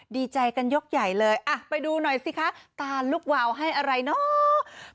ดีใจกันยกใหญ่เลยอ่ะไปดูหน่อยสิคะตาลูกวาวให้อะไรเนาะ